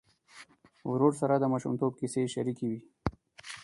ورور سره د ماشومتوب کیسې شريکې وې.